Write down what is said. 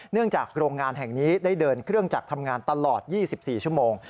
จากโรงงานแห่งนี้ได้เดินเครื่องจักรทำงานตลอด๒๔ชั่วโมง